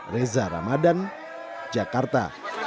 reza ramadhan jakarta